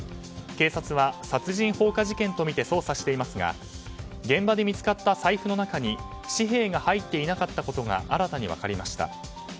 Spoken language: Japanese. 警察は殺人放火事件とみて捜査していますが現場で見つかった財布の中に紙幣が入っていなかったことが新たに分かりました。